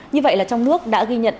như vậy là trong nước đã ghi nhận